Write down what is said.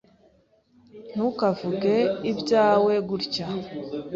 Ntukavuge ibyawe gutya.